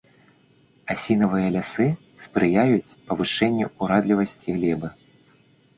Асінавыя лясы спрыяюць павышэнню ўрадлівасці глебы.